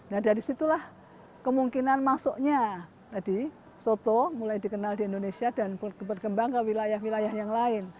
nah dari situlah kemungkinan masuknya tadi soto mulai dikenal di indonesia dan berkembang ke wilayah wilayah yang lain